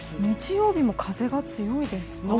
日曜日も風が強いですか？